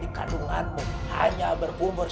di kandunganmu hanya berumur